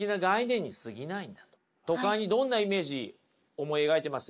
都会にどんなイメージ思い描いてます？